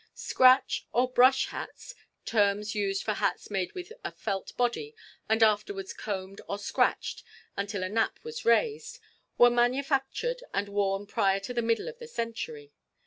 "Scratch" or "brush" hats (terms used for hats made with a felt body and afterwards combed or scratched until a nap was raised) were manufactured and worn prior to the middle of the century.